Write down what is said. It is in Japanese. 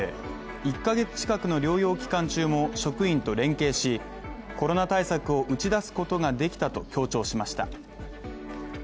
１ヶ月近くの療養期間中も、職員と連携し、コロナ対策を打ち出すことができたと強調しました。